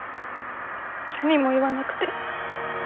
何も言わなくて。